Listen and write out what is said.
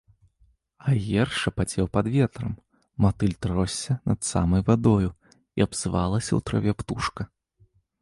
Аер шапацеў пад ветрам, матыль тросся над самай вадою, і абзывалася ў траве птушка.